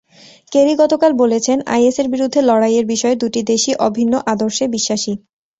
Kerry গতকাল বলেছেন, আইএসের বিরুদ্ধে লড়াইয়ের বিষয়ে দুটি দেশই অভিন্ন আদর্শে বিশ্বাসী।